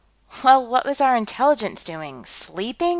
"Well, what was our intelligence doing sleeping?"